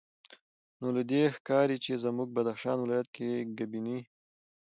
نو له دې ښکاري چې زموږ بدخشان ولایت کې ګبیني